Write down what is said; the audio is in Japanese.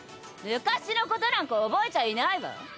昔のことなんか覚えちゃいないわ。